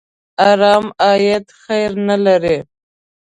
حرام عاید خیر نه لري.